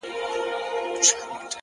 د سرو شرابو د خُمونو د غوغا لوري ـ